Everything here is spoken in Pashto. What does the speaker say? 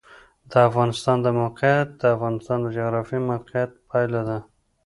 د افغانستان د موقعیت د افغانستان د جغرافیایي موقیعت پایله ده.